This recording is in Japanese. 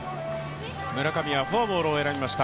村上はフォアボールを選びました。